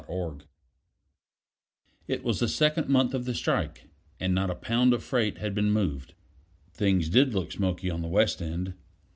SPEARMAN IT WAS the second month of the strike, and not a pound of freight had been moved. Things did look smoky on the West End.